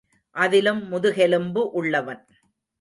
அதிலும் முதுகெலும்பு உள்ளவன்.